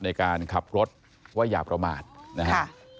ในการขับรถเพราะว่าอย่าประมาทนะครับ